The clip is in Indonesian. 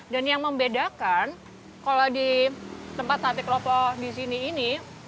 dan yang membedakan kalau di tempat sate klopo di sini ini